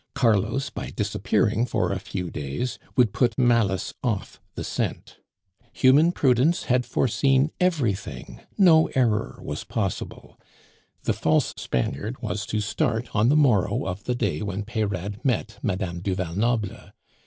Carlos, by disappearing for a few days, would put malice off the scent. Human prudence had foreseen everything; no error was possible. The false Spaniard was to start on the morrow of the day when Peyrade met Madame du Val Noble.